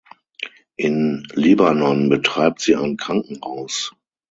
In Libanon betreibt sie ein Krankenhaus.